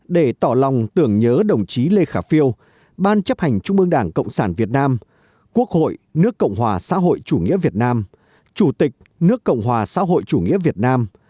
để tỏ lòng tưởng nhớ đồng chí lê khả phiêu ban chấp hành trung ương đảng cộng sản việt nam quốc hội nước cộng hòa xã hội chủ nghĩa việt nam chủ tịch nước cộng hòa xã hội chủ nghĩa việt nam